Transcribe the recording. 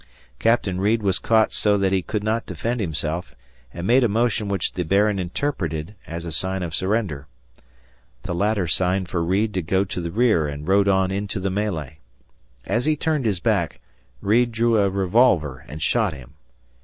Captain Reid was caught so that he could not defend himself and made a motion which the Baron interpreted as a sign of surrender. The latter signed for Reid to go to the rear and rode on into the mêlée. As he turned his back Reid drew a revolver and shot him.